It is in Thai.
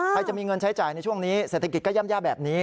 ใครจะมีเงินใช้จ่ายในช่วงนี้เศรษฐกิจก็ย่ำแย่แบบนี้